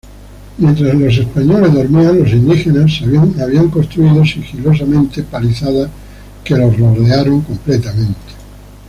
Mientras los españoles dormían, los indígenas habían construido sigilosamente empalizadas que los rodeaban completamente.